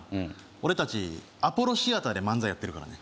俺たちアポロ・シアターで漫才やってるからね